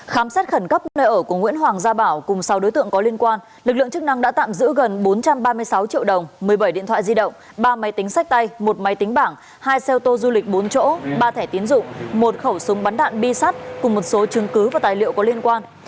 khám xét khẩn cấp nơi ở của nguyễn hoàng gia bảo cùng sáu đối tượng có liên quan lực lượng chức năng đã tạm giữ gần bốn trăm ba mươi sáu triệu đồng một mươi bảy điện thoại di động ba máy tính sách tay một máy tính bảng hai xe ô tô du lịch bốn chỗ ba thẻ tiến dụng một khẩu súng bắn đạn bi sắt cùng một số chứng cứ và tài liệu có liên quan